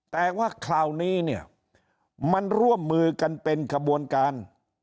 แต่ว่าคราวนี้เนี่ยมันร่วมมือกันเป็นขบวนการ